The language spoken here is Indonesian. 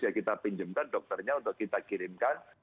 ya kita pinjemkan dokternya untuk kita kirimkan